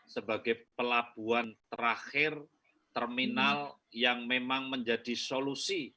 sebagai pelabuhan terakhir terminal yang memang menjadi solusi